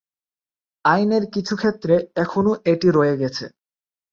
আইনের কিছু ক্ষেত্রে, এখনও এটি রয়ে গেছে।